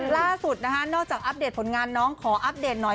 ล่าสุดนะคะนอกจากอัปเดตผลงานน้องขออัปเดตหน่อย